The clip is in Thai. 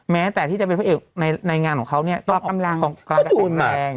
แม้แต่ที่เป็นเพื่อเอกในงานของเขาต้องออกกำลังกายกลายเป็นแกรง